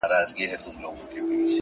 په هوا یمه شیريني، په هوا یم په سفر کي~